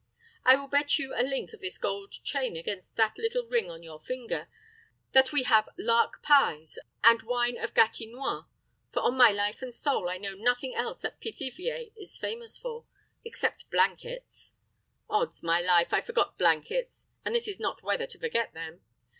I will bet you a link of this gold chain against that little ring upon your finger, that we have lark pies, and wine of Gatinois; for, on my life and soul, I know nothing else that Pithiviers is famous for except blankets; odds, my life, I forgot blankets, and this is not weather to forget them.